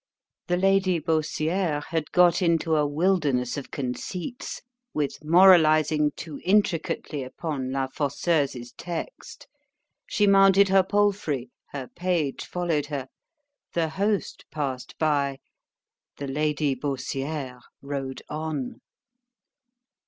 The Lady Baussiere had got into a wilderness of conceits, with moralizing too intricately upon La Fosseuse's text——She mounted her palfrey, her page followed her——the host passed by—the Lady Baussiere rode on.